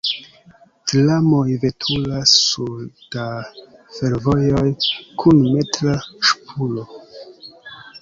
Tramoj veturas sur da fervojoj kun metra ŝpuro.